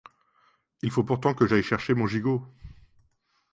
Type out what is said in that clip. Il faut pourtant que j'aille chercher mon gigot.